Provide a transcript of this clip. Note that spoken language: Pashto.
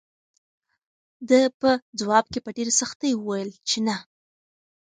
ده په ځواب کې په ډېرې سختۍ وویل چې نه.